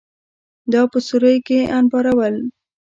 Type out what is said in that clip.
دا په سوریو کې انبارول.